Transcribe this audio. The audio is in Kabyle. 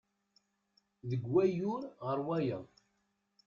Deg wayyur ɣer wayeḍ.